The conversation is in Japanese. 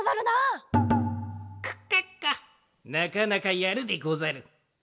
なかなかやるでござる。